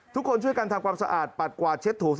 ทุกคนช่วยกันทำความสะอาดปัดกวาดเช็ดถุง